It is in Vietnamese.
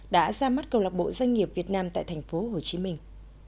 đã ra mắt câu lạc bộ doanh nghiệp việt nam tại thành phố hồ chí minh